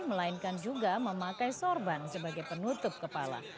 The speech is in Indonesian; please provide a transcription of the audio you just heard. melainkan juga memakai sorban sebagai penutup kepala